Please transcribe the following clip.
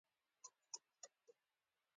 هلک د مینې تمثیل دی.